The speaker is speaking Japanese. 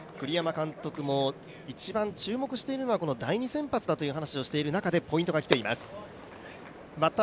栗山監督も一番注目しているのはこの第２先発だということでポイントが来ています。